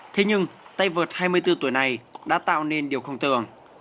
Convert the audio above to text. thế nhưng tay vợt hai mươi bốn tuổi này đã tạo nên điều không tường